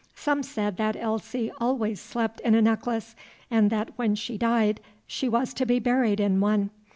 Some said that Elsie always slept in a necklace, and that when she died she was to be buried in one.